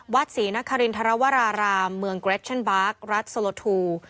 วัดศรีนครินทรวรารามเมืองเกรชชันบัครัฐสลทู